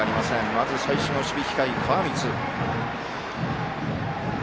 まず最初の守備機会、川満でした。